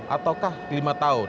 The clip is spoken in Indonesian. ataukah lima tahun